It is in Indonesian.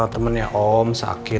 temennya om sakit